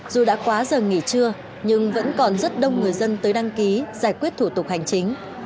dù đã quá giờ nghỉ trưa nhưng vẫn còn rất đông người dân tới đăng ký giải quyết thủ tục hành chính